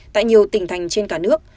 tại nhiều tỉnh thành trên cả nước